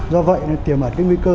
do vậy thì tiềm ẩn cái nguy cơ